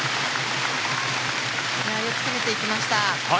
よく攻めていきました。